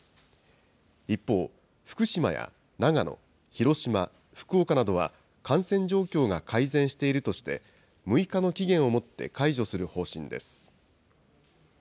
一方、福島や長野、広島、福岡などは、感染状況が改善しているとして、６日の期限をもって解除する方針です。